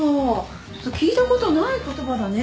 ちょっと聞いたことない言葉だね。